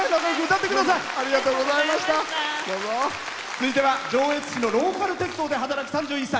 続いては上越市のローカル鉄道で働く３１歳。